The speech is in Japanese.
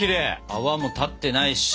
泡も立ってないし！